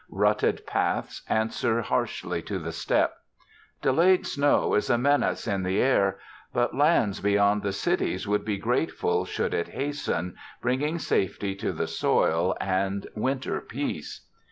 Rutted paths answer harshly to the step. Delayed snow is a menace in the air, but lands beyond the cities would be grateful should it hasten, bringing safety to the soil and winter peace.